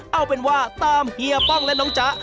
เอาเป็นว่าตามเฮียป้องและน้องจ๊ะ